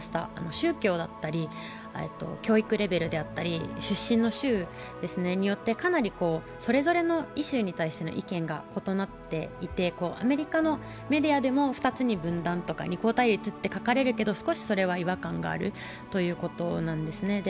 宗教だったり教育レベルであったり出身の州によって、かなりそれぞれのイシューに対しての意見が異なっていて、アメリカのメディアでも２つに分断とか、二項対立と書かれるけど少しそれは違和感があるということなんですね。